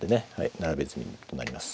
並べ詰みとなります。